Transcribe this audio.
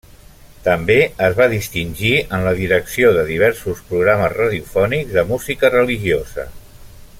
També es va distingir en la direcció de diversos programes radiofònics de música religiosa.